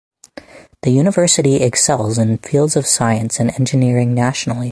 The university excels in the fields of science and engineering nationally.